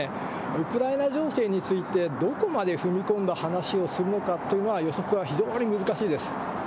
ウクライナ情勢について、どこまで踏み込んだ話をするのかというのは、予測は非常に難しいです。